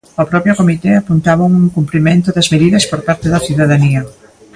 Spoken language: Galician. O propio comité apuntaba a un incumprimento das medidas por parte da cidadanía.